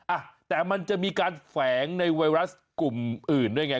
อ่ะแต่มันจะมีการแฝงในไวรัสกลุ่มอื่นด้วยไง